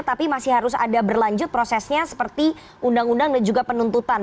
tapi masih harus ada berlanjut prosesnya seperti undang undang dan juga penuntutan